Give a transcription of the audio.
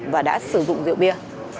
và đã sử dụng rượu bia